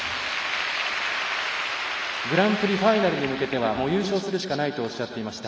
グランプリファイナルに向けては優勝するしかないとおっしゃってました。